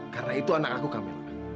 karena itu anak aku kamila